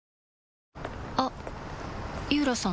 あっ井浦さん